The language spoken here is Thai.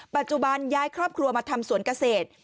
ปัจจุบันย้ายครอบครัวมาทำสวนเกษตร